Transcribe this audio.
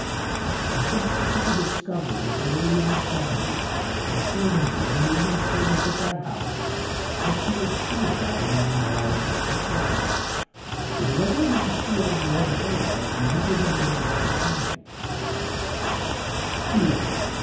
I subsequently discovered that early in the seventies a servant girl, who was in service at that house, had committed suicide in the manner I have just described, but whether or not she had RED HAIR I have never been able to ascertain.